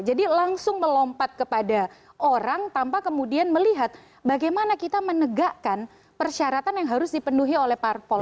jadi langsung melompat kepada orang tanpa kemudian melihat bagaimana kita menegakkan persyaratan yang harus dipenuhi oleh partai politik